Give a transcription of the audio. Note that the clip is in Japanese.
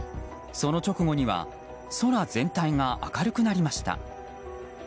その直後には空全体が明るくなりました。